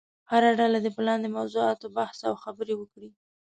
هره ډله دې په لاندې موضوعاتو بحث او خبرې وکړي.